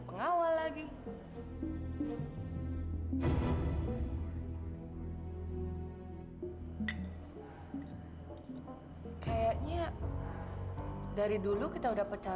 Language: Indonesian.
sampai jumpa di video selanjutnya